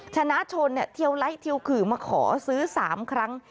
ชนะชนเทียวไลท์เทียวขื่อมาขอซื้อ๓ครั้ง